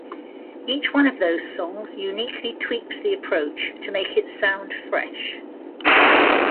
Each one of those songs uniquely tweaks the approach to make it sound fresh.